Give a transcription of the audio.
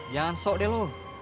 jangan sok deh lo